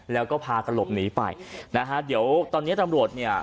แล้วก็พากันหลบหนีไปนะฮะเดี๋ยวตอนเนี้ยตำรวจเนี่ย